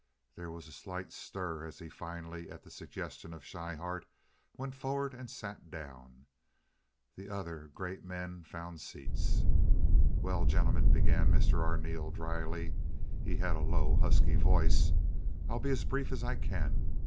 There was a slight stir as he finally, at the suggestion of Schryhart, went forward and sat down. The other great men found seats. "Well, gentlemen," began Mr. Arneel, dryly (he had a low, husky voice), "I'll be as brief as I can.